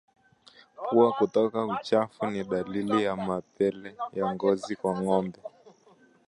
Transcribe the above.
Pua kutoa uchafu ni dalili ya mapele ya ngozi kwa ngombe